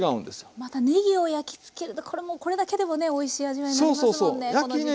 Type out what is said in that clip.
またねぎを焼きつけるとこれもこれだけでもねおいしい味わいになりますもんね